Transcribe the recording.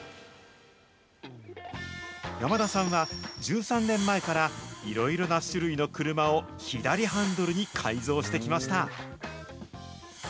山田さんは、１３年前からいろいろな種類の車を左ハンドルに改造してきました。